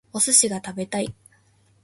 お寿司が食べたい